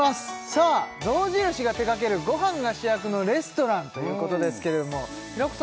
さあ象印が手掛けるご飯が主役のレストランということですけれども平子さん